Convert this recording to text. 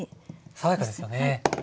爽やかですよね。